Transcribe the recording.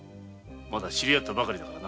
まだ知り合ったばかりだから。